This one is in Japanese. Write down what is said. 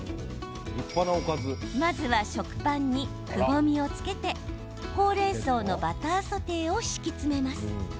まずは、食パンにくぼみをつけてほうれんそうのバターソテーを敷き詰めます。